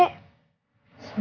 kan sudah malam